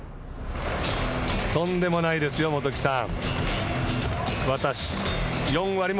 とんでもないですよ、元木さん。